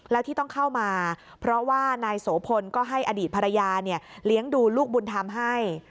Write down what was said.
แล้วที่ต้องเข้ามาเพราะว่านายโสพลก็ให้อดีตภรรยาเลี้ยงดูลูกบุญธรรมให้